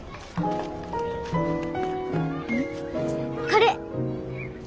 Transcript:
これ。